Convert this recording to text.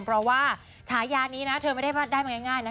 เพราะว่าฉายานี้นะเธอไม่ได้มาง่ายนะ